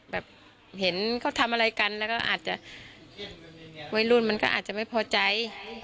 แบบเห็นเขาทำอะไรกันแล้วก็อาจจะวัยรุ่นมันก็อาจจะไม่พอใจ